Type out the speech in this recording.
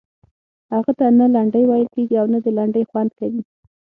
هغه ته نه لنډۍ ویل کیږي او نه د لنډۍ خوند کوي.